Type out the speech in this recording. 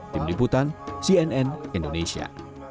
tim liputan cnn indonesia